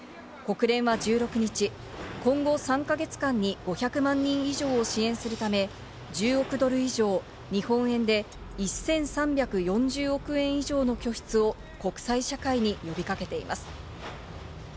国連は１６日、今後、３か月間に５００万人以上を支援するため、１０億ドル以上、日本円でおよそ１３４０億円以上の拠出を国際社会に呼びかけています。